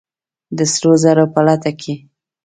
د سرو زرو په لټه کې!